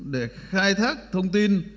để khai thác thông tin